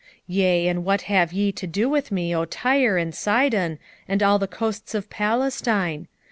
3:4 Yea, and what have ye to do with me, O Tyre, and Zidon, and all the coasts of Palestine?